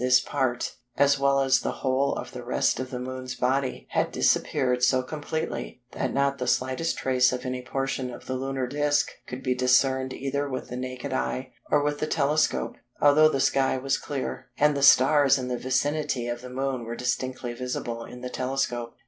this part, as well as the whole of the rest of the Moon's body, "had disappeared so completely, that not the slightest trace of any portion of the lunar disc could be discerned either with the naked eye or with the telescope, although the sky was clear, and the stars in the vicinity of the Moon were distinctly visible in the telescope."